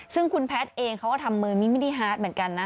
ซึ่งคุณแพทย์เองเขาก็ทำมือมินิฮาร์ดเหมือนกันนะ